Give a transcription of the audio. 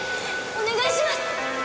お願いします！